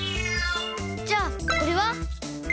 じゃこれは？